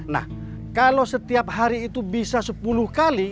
nah kalau setiap hari itu bisa sepuluh kali